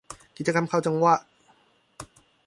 กิจกรรมเข้าจังหวะ